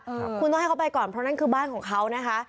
ครับคุณต้องให้เขาไปก่อนเพราะนั่นคือบ้านของเขานะคะ